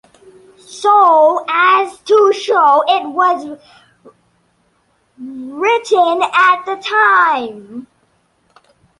So as to show it was written at the time.